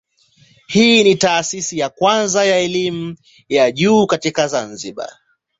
Hii ni taasisi ya kwanza ya elimu ya juu katika Zanzibar.